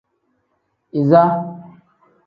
Iza.